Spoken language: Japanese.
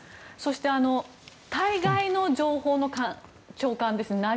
そして対外の情報の長官ですね